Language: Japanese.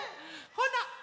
ほな。